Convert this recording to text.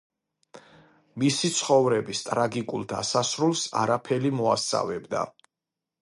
მისი ცხოვრების ტრაგიკულ დასასრულს არაფერი მოასწავებდა.